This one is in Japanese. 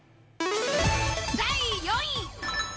第４位。